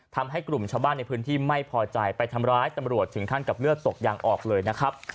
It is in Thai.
ทำให้กลุ่มชาวบ้านในพื้นที่ไม่พอใจไปทำร้ายตำรวจถึงขั้นกับเลือดตกยางออกเลยนะครับ